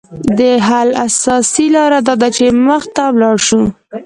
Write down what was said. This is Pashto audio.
د حل اساسي لاره داده چې مخ ته ولاړ شو